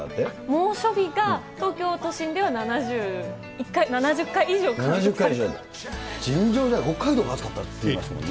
猛暑日が東京都心では７０回尋常じゃない、北海道も暑かったっていいますもんね。